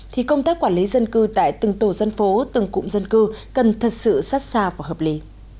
thì công tác quản lý dân cư tại từng tổ dân phố từng cụm dân cư cần thật sự sát xa và hợp lý